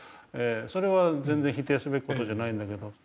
それは全然否定すべき事じゃないんだけど。